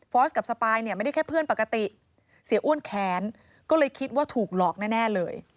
กับสปายเนี่ยไม่ได้แค่เพื่อนปกติเสียอ้วนแค้นก็เลยคิดว่าถูกหลอกแน่เลย